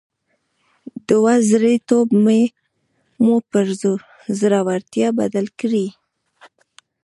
دوه زړي توب مو پر زړورتيا بدل کړئ.